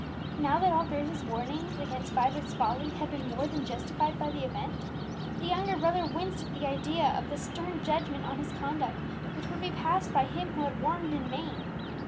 Now that all Bruce's warnings against Vibert's folly had been more than justified by the event, the younger brother winced at the idea of the stern judgment on his conduct which would be passed by him who had warned in vain.